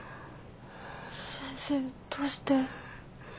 先生どうして？